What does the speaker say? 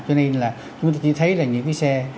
cho nên là chúng ta chỉ thấy là những cái xe